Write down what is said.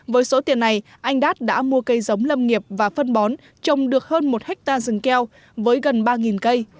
với số tiền này anh đát đã mua cây giống lâm nghiệp và phân bón trồng được hơn một hectare rừng keo với gần ba cây